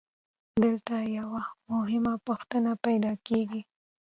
دلته یوه مهمه پوښتنه پیدا کېږي